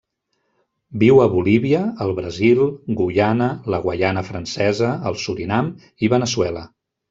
Viu a Bolívia, el Brasil, Guyana, la Guaiana Francesa, el Surinam i Veneçuela.